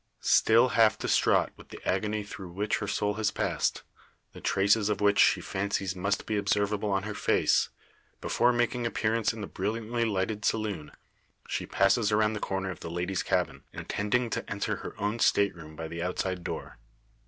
Still half distraught with the agony through which her soul has passed the traces of which she fancies must be observable on her face before making appearance in the brilliantly lighted saloon, she passes around the corner of the ladies' cabin, intending to enter her own state room by the outside door.